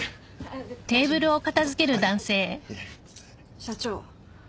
社長。